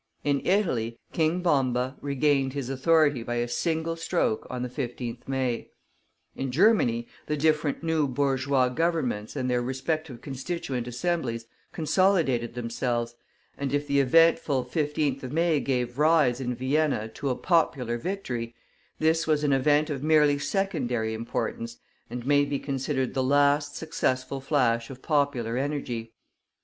In Italy, King Bomba regained his authority by a single stroke on the 15th May. In Germany, the different new bourgeois Governments and their respective constituent Assemblies consolidated themselves, and if the eventful 15th of May gave rise, in Vienna, to a popular victory, this was an event of merely secondary importance, and may be considered the last successful flash of popular energy.